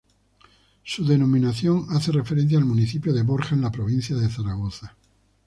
Su denominación hace referencia al municipio de Borja, en la provincia de Zaragoza.